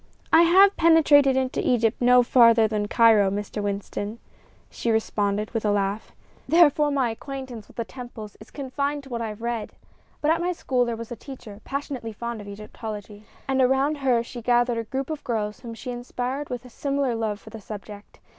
"I have penetrated into Egypt no farther than Cairo, Mr. Winston," she responded, with a laugh; "therefore my acquaintance with the temples is confined to what I have read. But at my school was a teacher passionately fond of Egyptology, and around her she gathered a group of girls whom she inspired with a similar love for the subject.